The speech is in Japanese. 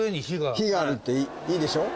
火があるっていいでしょ？